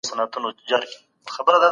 د مالیاتو له امله د توکو بیې څومره لوړېدې؟